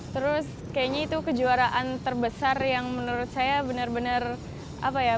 terus kayaknya itu kejuaraan terbesar yang menurut saya benar benar apa ya